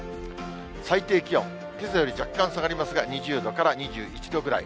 最低気温、けさより若干下がりますが、２０度から２１度ぐらい。